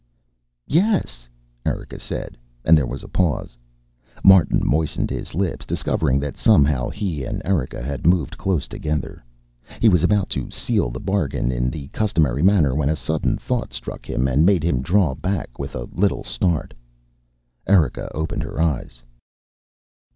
"Yes," Erika said, and there was a pause. Martin moistened his lips, discovering that somehow he and Erika had moved close together. He was about to seal the bargain in the customary manner when a sudden thought struck him and made him draw back with a little start. Erika opened her eyes.